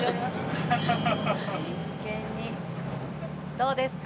どうですか？